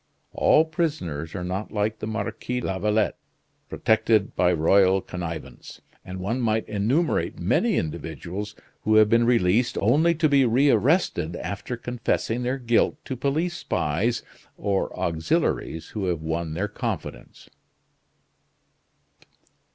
All prisoners are not like the Marquis de Lavalette, protected by royal connivance; and one might enumerate many individuals who have been released, only to be rearrested after confessing their guilt to police spies or auxiliaries who have won their confidence.